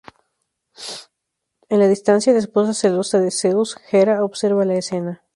En la distancia, la esposa celosa de Zeus, Hera, observa la escena.